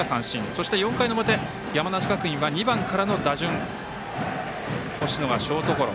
そして、４回の表山梨学院は２番からの打順星野がショートゴロ。